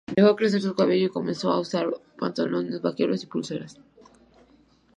Dejo crecer su cabello y comenzó a usar pantalones vaqueros, pulseras.